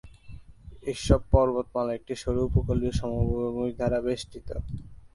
এইসব পর্বতমালা একটি সরু উপকূলীয় সমভূমি দ্বারা বেষ্টিত।